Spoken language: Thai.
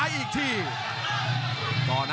คมทุกลูกจริงครับโอ้โห